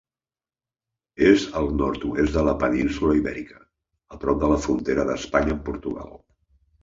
És al nord-oest de la península Ibèrica, a prop de la frontera d'Espanya amb Portugal.